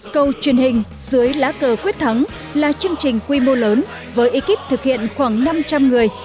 câu truyền hình dưới lá cờ quyết thắng là chương trình quy mô lớn với ekip thực hiện khoảng năm trăm linh người